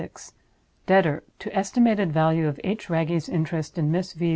_D_r_.: To estimated value of H. Wragge's interest in Miss V.